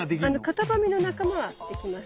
カタバミの仲間はできます。